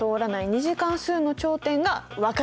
２次関数の頂点が分かっちゃう。